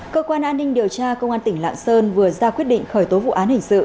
cơ quan an ninh điều tra công an tỉnh lạng sơn vừa ra quyết định khởi tố vụ án hình sự